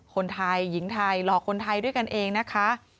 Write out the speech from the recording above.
คนไทยหญิงไทยหลอกคนไทยด้วยกันเองนะคะ